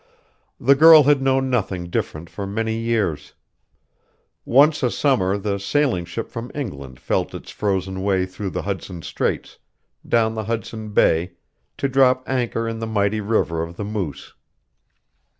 The girl had known nothing different for many years. Once a summer the sailing ship from England felt its frozen way through the Hudson Straits, down the Hudson Bay, to drop anchor in the mighty River of the Moose.